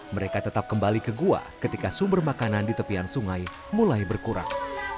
mereka tetap kembali ke gua ketika sumber makanan di tepian sungai mulai berkurang